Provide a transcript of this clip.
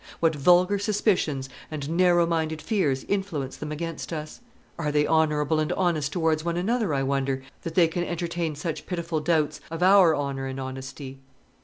What vulgar suspicions and narrow minded fears influence them against us! Are they honourable and honest towards one another, I wonder, that they can entertain such pitiful doubts of our honour and honesty?"